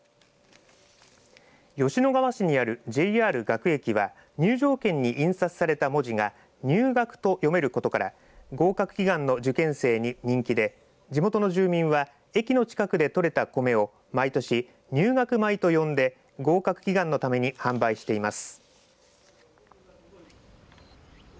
吉野川市にあるＪＲ学駅は入場券に印刷された文字が入学と読めることから合格祈願の受験生に人気で地元の住民は駅の近くで取れたコメを毎年入学米と呼んで合格祈願のために販売しています。